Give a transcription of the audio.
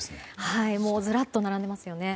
ずらっと並んでますよね。